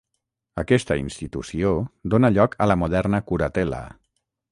Aquesta institució dóna lloc a la moderna curatela.